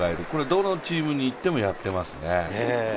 どのチームに行ってもやってますね。